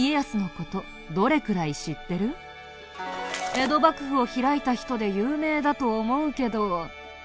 江戸幕府を開いた人で有名だと思うけど。